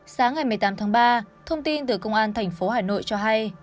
sáng ngày một mươi tám tháng ba thông tin từ công an tp hà nội cho hay